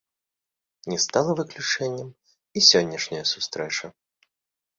Не стала выключэннем і сённяшняя сустрэча.